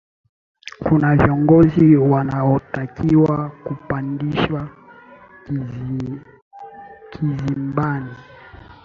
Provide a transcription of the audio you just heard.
kuna viongozi wanaotakiwa kupandishwa kizimbani